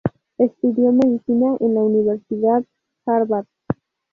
Estudió medicina en la Universidad Harvard.